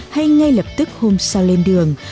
hay ngay lập tức hôm sau lên đường